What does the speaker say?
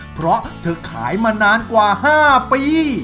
เพราะเธอขายมานานกว่า๕ปี